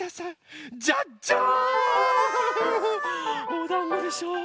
おだんごでしょ。